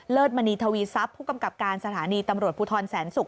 เลิศมณีทวีซับผู้กำกับการสถานีตำรวจภูทรแสนสุข